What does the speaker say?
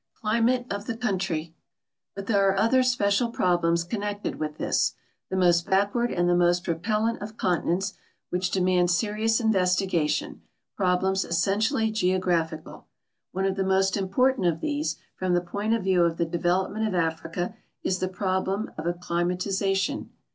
CLIMATK OF THK COIINTKV But there are other special ])roblems connected with tins, tlio most backward and the most repellent of continents, wliidi de mand serious investigation — prol)lems essentially geographical. One of the most important of these, from the point of view of the develoi)ment of Africa, is the problem of accliniati/ation.